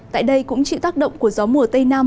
tại đây cũng chịu tác động của gió mùa tây nam